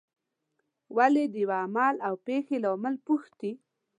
ولې د یوه عمل او پېښې لامل پوښتي.